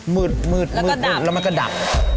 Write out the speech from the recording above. มืดมืดแล้วมันก็ดับ